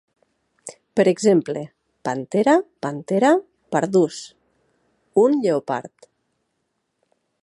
Per exemple, "Panthera Panthera pardus", un lleopard.